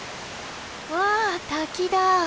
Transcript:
わあ滝だ。